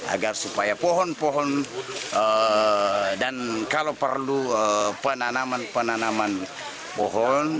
agar supaya pohon pohon dan kalau perlu penanaman penanaman pohon